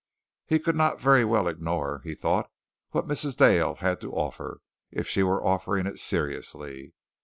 He could not very well ignore, he thought, what Mrs. Dale had to offer, if she was offering it seriously.